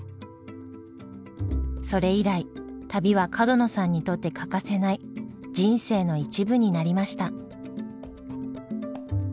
それ以来旅は角野さんにとって欠かせない人生の一部になりました。